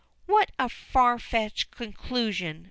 "What a far fetched conclusion!"